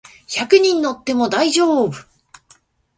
百人乗っても大丈夫